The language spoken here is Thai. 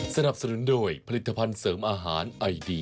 สนับสนุนโดยผลิตภัณฑ์เสริมอาหารไอดี